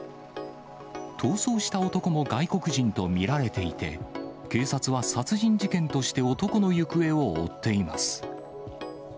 逃走した男も外国人と見られていて、警察は殺人事件として男の行方を追っています。